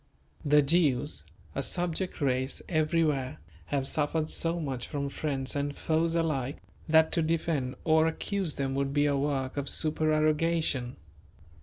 The Jews, a subject race everywhere, have suffered so much from friends and foes alike, that to defend or accuse them would be a work of supererogation.